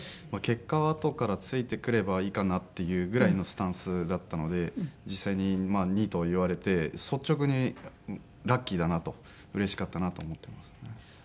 結果はあとからついてくればいいかなっていうぐらいのスタンスだったので実際に２位と言われて率直にラッキーだなとうれしかったなと思ってますね。